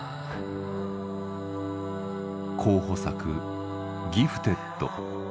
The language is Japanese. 候補作「ギフテッド」。